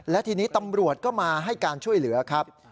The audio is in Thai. และทีนี้ตำรวจก็มาให้การช่วยเหลือครับ